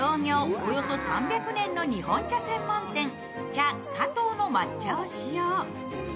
およそ３００年の日本茶専門店、茶加藤の抹茶を使用。